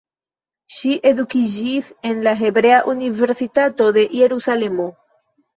Ŝi edukiĝis en la Hebrea Universitato de Jerusalemo.